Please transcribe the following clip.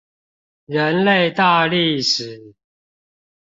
人類大歷史